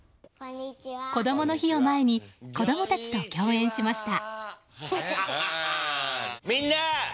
こどもの日を前に子供たちと共演しました。